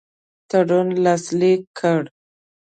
تړون لاسلیک کړ.